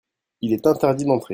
Il est interdit d'entrer.